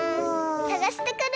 さがしてくる！